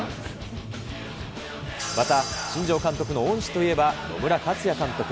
また新庄監督の恩師といえば野村克也監督。